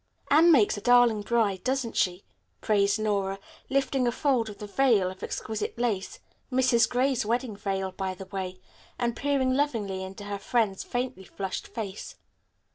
"Anne makes a darling bride, doesn't she?" praised Nora, lifting a fold of the veil of exquisite lace, Mrs. Gray's wedding veil, by the way, and peering lovingly into her friend's faintly flushed face.